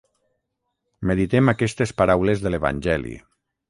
Meditem aquestes paraules de l'Evangeli.